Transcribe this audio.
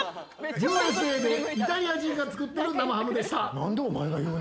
ＵＳＡでイタリア人が作ってる生ハムでした。